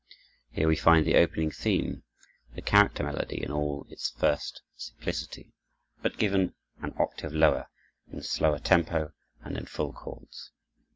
Here we find the opening theme, the character melody, in all its first simplicity, but given an octave lower, in slower tempo and in full chords.